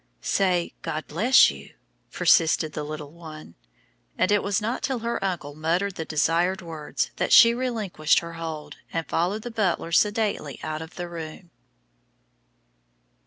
"Say, 'God bless you!'" persisted the little one, and it was not till her uncle muttered the desired words that she relinquished her hold and followed the butler sedately out of the room.